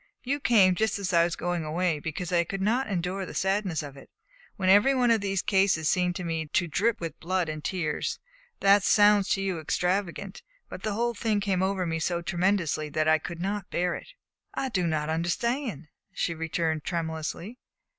You came just as I was going away because I could not endure the sadness of it; when every one of these cases seemed to me to drip with blood and tears. That sounds to you extravagant, but the whole thing came over me so tremendously that I could n't bear it." "I do not understand," she returned tremulously.